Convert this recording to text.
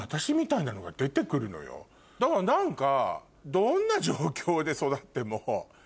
だから何か。